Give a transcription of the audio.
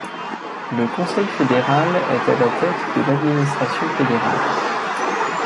Le Conseil fédéral est à la tête de l'administration fédérale.